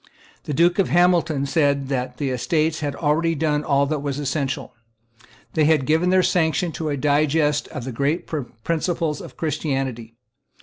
The Duke of Hamilton said that the Estates had already done all that was essential. They had given their sanction to a digest of the great principles of Christianity.